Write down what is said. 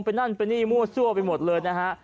นั่นไปนี่มั่วซั่วไปหมดเลยนะฮะ